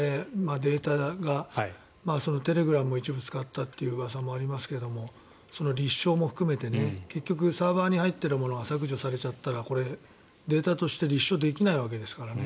データがテレグラムを一部使ったといううわさもありますけどその立証も含めて結局サーバーに入っているものは削除されちゃったらこれ、データとして立証できないわけですからね。